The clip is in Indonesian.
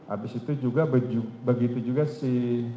abis itu juga begitu juga si